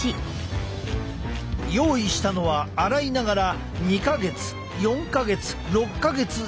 用意したのは洗いながら２か月４か月６か月使用したタオル。